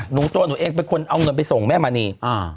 ตัวหนูเองเป็นคนเอาเงินไปส่งแม่มณี